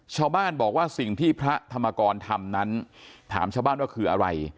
ชาวบ้านบอกว่าสิ่งที่พระธรรมกรทำนั้นถามชาวบ้านว่าคืออะไร